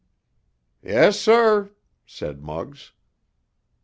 "Yes, sir," said Muggs.